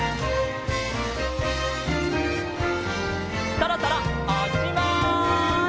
そろそろおしまい。